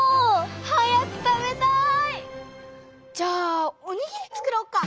早く食べたい！じゃあおにぎりつくろうか？